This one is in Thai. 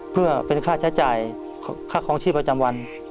เพื่อเป็นค่าใช้จ่ายค่าคลองชีพประจำวัน